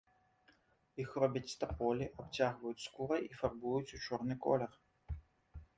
Іх робяць з таполі, абцягваюць скурай і фарбуюць у чорны колер.